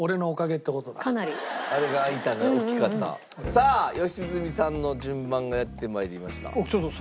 さあ良純さんの順番がやってまいりました。